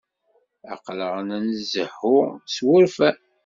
Aql-aɣ la nzehhu s wurfan.